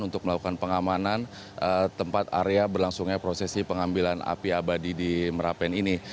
untuk melakukan pengamanan tempat area berlangsungnya prosesi pengambilan api abadi di merapen ini